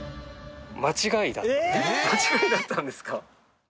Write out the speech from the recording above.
間違いだったんですか？